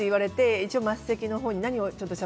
一応、末席の方に。